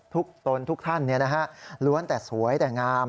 ตนทุกท่านล้วนแต่สวยแต่งาม